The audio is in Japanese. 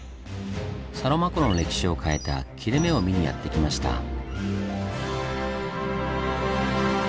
サロマ湖の歴史を変えた切れ目を見にやって来ました。